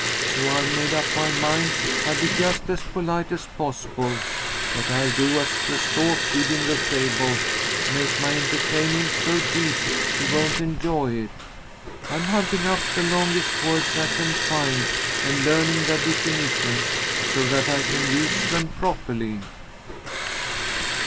So I've made up my mind I'll be just as polite as possible, but I'll do as the stork did in the fable; make my entertainment so deep she won't enjoy it. I'm hunting up the longest words I can find and learning their definitions, so that I can use them properly."